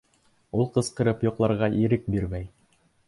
Ул ҡысҡырып йоҡларға ирек бирмәй.